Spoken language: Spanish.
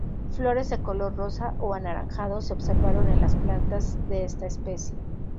Flores de color rosa o anaranjado se observaron en las plantas de esta especie.